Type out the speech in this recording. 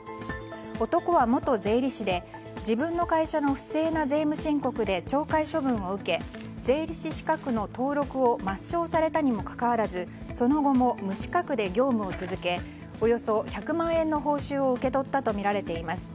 男は元税理士で自分の会社の不正な税務申告で懲戒処分を受け税理士資格の登録を抹消されたにもかかわらずその後も無資格で業務を続けおよそ１００万円の報酬を受け取ったとみられています。